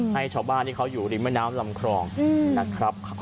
ให้ชาวบ้านที่เขาอยู่ริมแม่น้ำลำครองนะครับ